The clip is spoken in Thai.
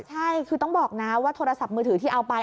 ใช่คือต้องบอกนะว่าโทรศัพท์มือถือที่เอาไป